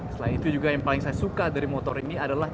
selain itu juga yang paling saya suka dari motor ini adalah